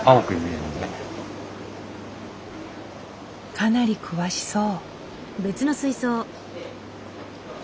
かなり詳しそう。